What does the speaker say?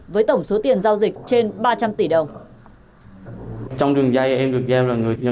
với tổng số tiền giao dịch trên ba trăm linh tỷ đồng